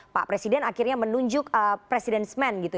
pak presiden akhirnya menunjuk presiden smen